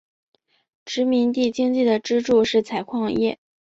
殖民地经济的支柱是采矿业。